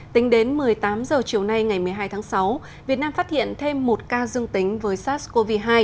tính đến một mươi tám h chiều nay ngày một mươi hai tháng sáu việt nam phát hiện thêm một ca dương tính với sars cov hai